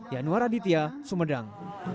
yanwar aditya sumedang